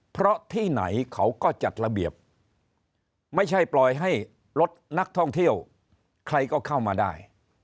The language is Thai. เพราะที่ไหนเขาก็จัดระเบียบไม่ใช่ปล่อยให้รถนักท่องเที่ยวใครก็เข้ามาได้